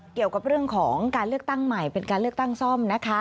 เกี่ยวกับเรื่องของการเลือกตั้งใหม่เป็นการเลือกตั้งซ่อมนะคะ